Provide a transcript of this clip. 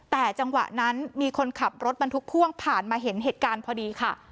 แต่จังหวะนั้นมีคนขับรถบรรทุกพ่วงผ่านมาเห็นเหตุการณ์พอดีค่ะ